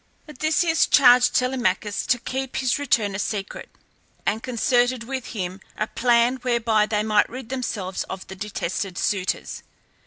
Odysseus charged Telemachus to keep his return a secret, and concerted with him a plan whereby they might rid themselves of the detested suitors.